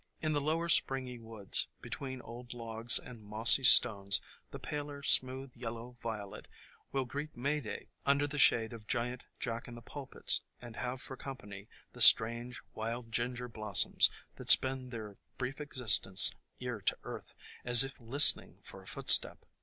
In the lower springy woods, between old logs and mossy stones, the paler Smooth Yellow Violet will greet May day under the shade of giant Jack in the Pulpits and have for company the strange Wild Ginger blossoms that spend their brief existence ear to earth, as if listening for a footstep.